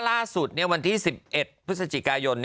ล่าสุดวันที่๑๑พฤศจิกายน